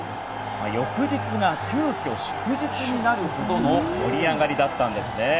翌日が急きょ、祝日になるほどの盛り上がりだったんですね。